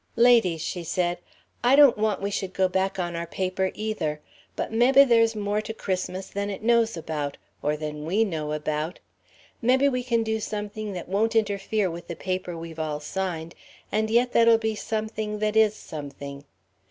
"Ladies," she said, "I don't want we should go back on our paper, either. But mebbe there's more to Christmas than it knows about or than we know about. Mebbe we can do something that won't interfere with the paper we've all signed, and yet that'll be something that is something.